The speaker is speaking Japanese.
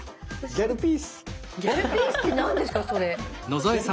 「ギャルピースって何ですかそれ？」。